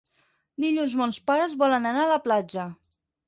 Dilluns mons pares volen anar a la platja.